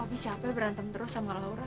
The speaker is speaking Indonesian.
lebih capek berantem terus sama laura